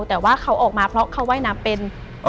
แต่ว่าเขาออกมาเพราะเขาว่ายน้ำเป็น